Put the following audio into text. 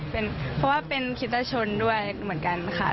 เพราะว่าเป็นคิตชนด้วยเหมือนกันค่ะ